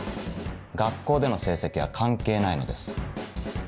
学校での成績は関係ないのです。